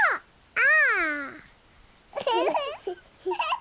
あ！